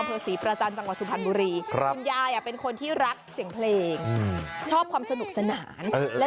โอ้โหเด็กอย่างเรายังอายเลย